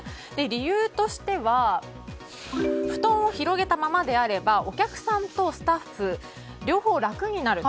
理由としては布団を広げたままであればお客さんとスタッフ両方楽になる。